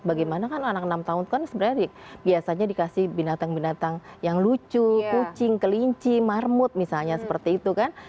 bagaimana kan anak enam tahun kan sebenarnya biasanya dikasih binatang binatang yang lucu kucing kelinci marmut misalnya seperti itu kan